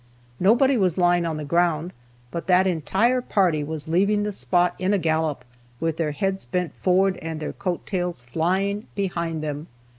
Nobody was lying on the ground, but that entire party was leaving the spot, in a gallop, with their heads bent forward and their coat tails flying behind them.